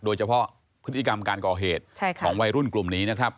โดยเฉพาะพฤติกรรมการก่อเหตุของวัยรุ่นกลุ่มนี้นะครับ